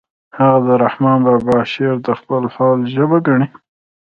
هغه د رحمن بابا شعر د خپل حال ژبه ګڼي